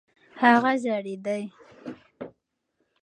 هغه ژړېدی .